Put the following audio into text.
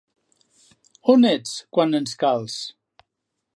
On ets quan ens cals?